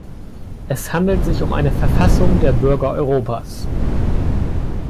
Es handelt sich um eine Verfassung der Bürger Europas.